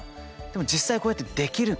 でも実際こうやってできる。